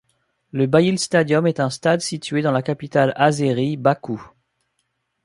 Le Bayil Stadium est un stade situé dans la capitale azérie Bakou.